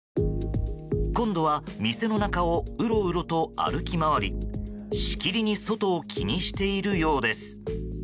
今度は店の中をうろうろと歩き回りしきりに外を気にしているようです。